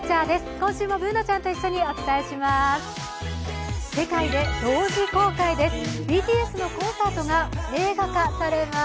今週もＢｏｏｎａちゃんと一緒にお伝えします。